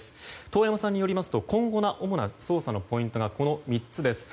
遠山さんによりますと今後の主な捜査のポイントがこの３つです。